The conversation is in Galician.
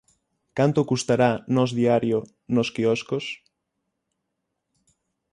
Canto custará Nós Diario nos quioscos?